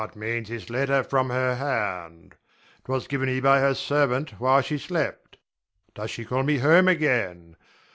What means this letter from her hand? 'Twas given me by her servant while she slept. Does she call me home again?